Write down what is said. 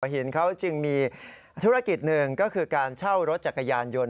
หินเขาจึงมีธุรกิจหนึ่งก็คือการเช่ารถจักรยานยนต์